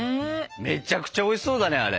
めちゃくちゃおいしそうだねあれ。